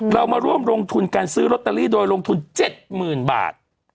เรามาร่วมลงทุนการซื้อลอตเตอรี่โดยลงทุน๗๐๐๐บาท